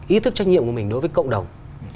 ý thức trách nhiệm của mình đối với cộng đồng